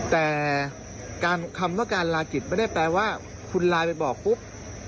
แต่คำว่าการลากิจไม่ได้แปลว่าคุณไลน์ไปบอกปุ๊บ